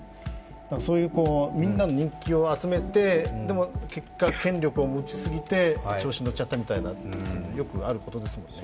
そういうみんなの人気を集めて、でも結果、権力を持ちすぎて調子に乗っちゃったみたいなよくあることですので。